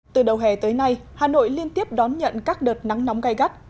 từ đầu hè tới nay hà nội liên tiếp đón nhận các đợt nắng nóng gai gắt